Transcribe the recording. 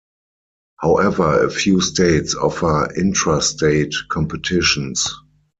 However, a few states offer intrastate competitions.